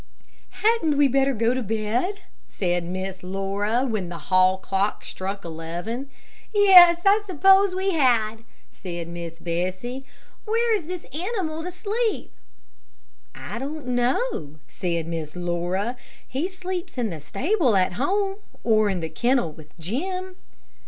"Hadn't we better go to bed?" said Miss Laura, when the hall clock struck eleven. "Yes, I suppose we had," said Miss Bessie. "Where is this animal to sleep?" "I don't know," said Miss Laura; "he sleeps in the stable at home, or in the kennel with Jim."